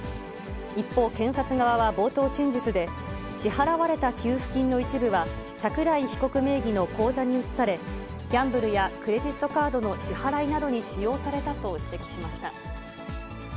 一方、検察側は冒頭陳述で支払われた給付金の一部は、桜井被告名義の口座に移され、ギャンブルやクレジットカードの支払いなどに使用されたと指摘しました。